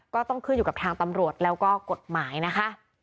ก็ต้องขึ้นอยู่กับทางตำรวจแล้วก็กฎหมายนะคะ